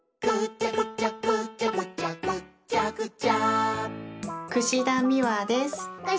「ぐちゃぐちゃぐちゃぐちゃぐっちゃぐちゃ」